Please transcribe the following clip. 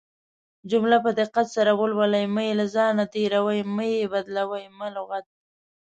جمله په دقت سره ولولٸ مه يې له ځانه تيروٸ، مه يې بدالوۍ، مه لغت